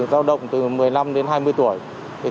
giao động từ một mươi năm đến hai mươi tuổi